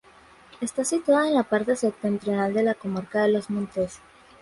Está situada en la parte septentrional de la comarca de Los Montes.